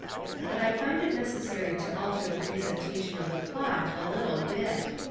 But I find it necessary to alter the presentation of the plot a little bit.